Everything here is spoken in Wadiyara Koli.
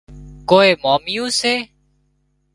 ڪوئي ماميون سي